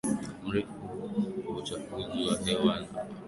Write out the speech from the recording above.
mrefu kwa uchafuzi wa hewa na na kuwa na uwezekana mkubwa wa